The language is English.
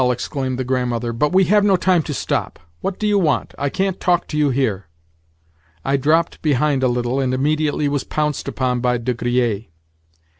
exclaimed the Grandmother. "But we have no time to stop. What do you want? I can't talk to you here." I dropped behind a little, and immediately was pounced upon by De Griers.